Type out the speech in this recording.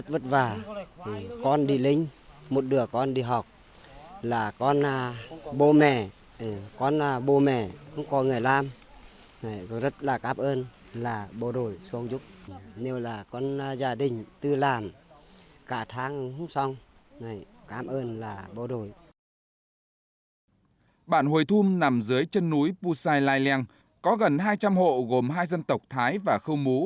bản hồi thum nằm dưới chân núi pusai lai leng có gần hai trăm linh hộ gồm hai dân tộc thái và khơ mú